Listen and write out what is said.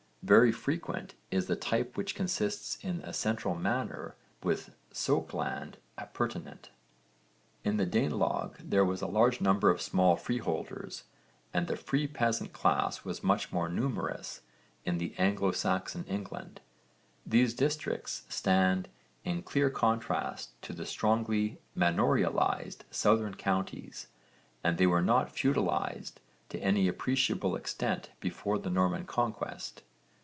Very frequent is the type which consists in a central manor with sokeland appurtenant. In the Danelagh there was a large number of small freeholders and the free peasant class was much more numerous than in Anglo Saxon England. These districts stand in clear contrast to the strongly manorialised southern counties and they were not feudalised to any appreciable extent before the Norman conquest.